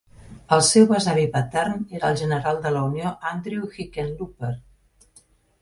El seu besavi patern era el general de la unió Andrew Hickenlooper.